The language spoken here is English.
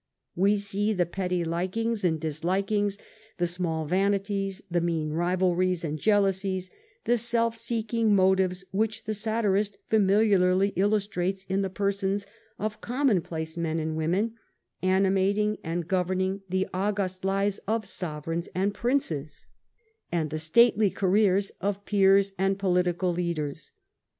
We see the petty likings and dislikings, the small vanities, the mean rivalries and jealousies, the self seeking motives which the satirist familiarly illustrates in the persons of commonplace men and women, animating and govern ing the august lives of sovereigns and princes and the stately careers of peers and political leaders.